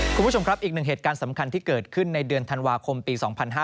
คุณผู้ชมครับอีกหนึ่งเหตุการณ์สำคัญที่เกิดขึ้นในเดือนธันวาคมปี๒๕๕๙